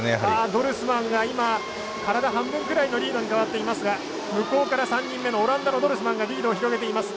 ドルスマンが今体半分くらいのリードに変わっていますが向こうから３人目のオランダのドルスマンがリードを広げています。